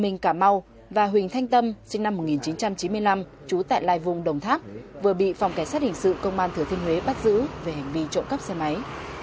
minh cà mau và huỳnh thanh tâm sinh năm một nghìn chín trăm chín mươi năm trú tại lai vùng đồng tháp vừa bị phòng cảnh sát hình sự công an thừa thiên huế bắt giữ về hành vi trộm cắp xe máy